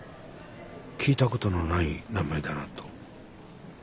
聞いたことのない名前だなと。